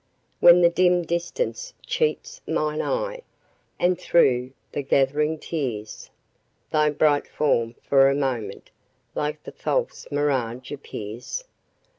When the dim distance cheats mine eye, and through the gathering tears, Thy bright form for a moment, like the false mirage appears?